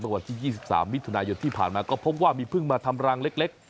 วันที่๒๓มิถุนายนที่ผ่านมาก็พบว่ามีพึ่งมาทำรังเล็ก